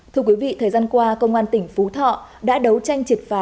thưa quý vị thời gian qua công an tỉnh phú thọ đã đấu tranh triệt phá